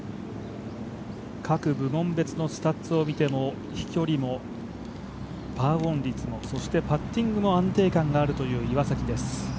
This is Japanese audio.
各部門別のスタッツを見ても飛距離もパーオン率もそしてパッティングも安定感があるという岩崎です。